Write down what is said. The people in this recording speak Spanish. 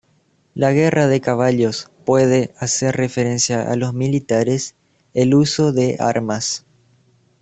La guerra de caballos pueden hacer referencia a los militares el uso de armas.